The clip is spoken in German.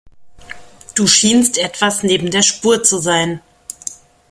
Du schienst etwas neben der Spur zu sein.